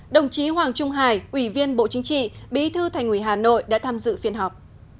đồng chí hoàng trung hải ủy viên bộ chính trị bí thư thành ủy hà nội đã tham dự phiên họp